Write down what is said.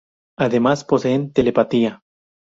Además, poseen telepatía.